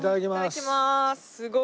いただきます。